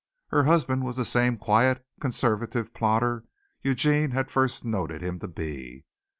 Her husband was the same quiet, conservative plodder Eugene had first noted him to be.